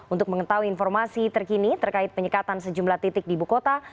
untuk mengetahui informasi terkini terkait penyekatan sejumlah titik di ibu kota